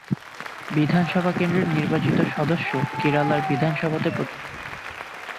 বিধানসভা কেন্দ্রের নির্বাচিত সদস্য কেরালার বিধানসভাতে প্রতিনিধিত্ব করে।